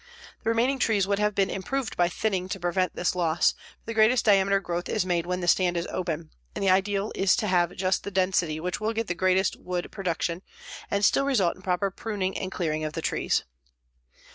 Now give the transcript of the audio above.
The remaining trees would have been improved by thinning to prevent this loss, for the greatest diameter growth is made when the stand is open, and the ideal is to have just the density which will get the greatest wood production and still result in proper pruning and clearing of the trees.